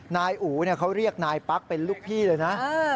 นายอู๋เขาเรียกนายปั๊กเป็นลูกพี่เลยนะ